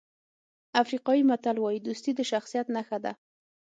افریقایي متل وایي دوستي د شخصیت نښه ده.